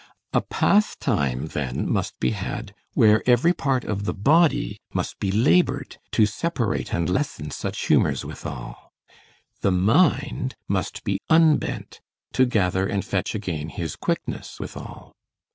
A pastime then must be had where every part of the body must be labored, to separate and lessen such humors withal; the mind must be unbent, to gather and fetch again his quickness withal.